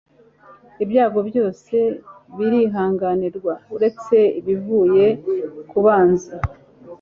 ibyago byose birihanganirwa, uretse ibivuye ku banzi